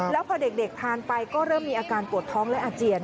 แล้วพอเด็กทานไปก็เริ่มมีอาการปวดท้องและอาเจียน